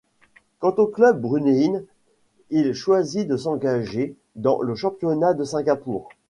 Quant au club brunéine, il choisit de s'engager dans le championnat de Singapour.